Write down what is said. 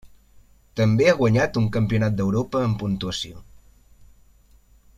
També ha guanyat un Campionat d'Europa en Puntuació.